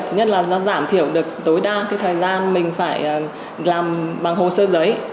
thứ nhất là nó giảm thiểu được tối đa thời gian mình phải làm bằng hồ sơ giấy